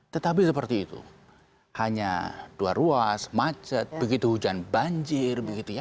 tetapi seperti itu hanya dua ruas macet begitu hujan banjir